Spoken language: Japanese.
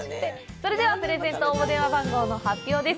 それではプレゼント応募電話番号の発表です。